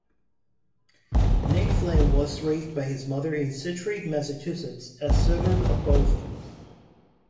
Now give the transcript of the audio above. Nick Flynn was raised by his mother in Scituate, Massachusetts, a suburb of Boston.